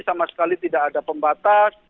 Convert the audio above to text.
sama sekali tidak ada pembatas